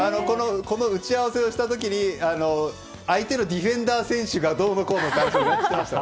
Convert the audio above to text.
この打ち合わせをした時に相手のディフェンダー選手がどうのこうのって話をしていました。